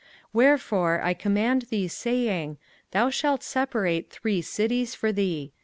05:019:007 Wherefore I command thee, saying, Thou shalt separate three cities for thee.